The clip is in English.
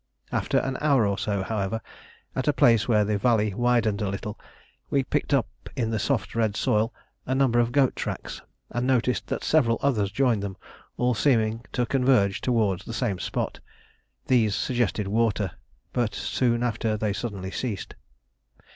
After an hour or so, however, at a place where the valley widened a little, we picked up in the soft red soil a number of goat tracks, and noticed that several others joined them, all seeming to converge towards the same spot. These suggested water, but soon after they suddenly ceased.